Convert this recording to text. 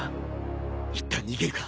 いったん逃げるか。